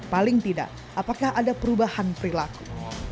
paling tidak apakah ada perubahan perilaku